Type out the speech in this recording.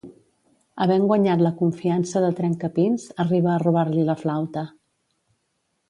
Havent guanyat la confiança de Trencapins, arriba a robar-li la flauta.